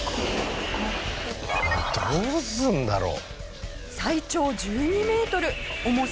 どうするんだろう？